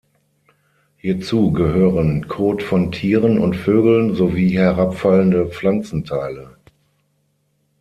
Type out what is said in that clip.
Hierzu gehören Kot von Tieren und Vögeln sowie herabfallende Pflanzenteile.